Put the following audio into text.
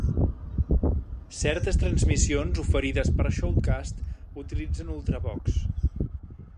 Certes transmissions oferides per Shoutcast utilitzen Ultravox.